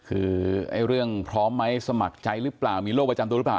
คือเรื่องพร้อมไหมสมัครใจหรือเปล่ามีโรคประจำตัวหรือเปล่า